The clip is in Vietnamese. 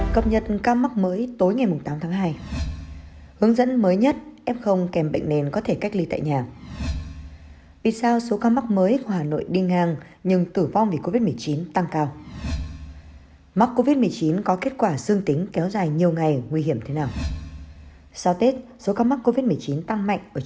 các bạn hãy đăng kí cho kênh lalaschool để không bỏ lỡ những video hấp dẫn